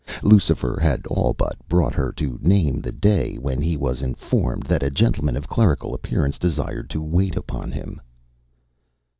Lucifer had all but brought her to name the day, when he was informed that a gentleman of clerical appearance desired to wait upon him.